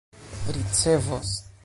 ricevos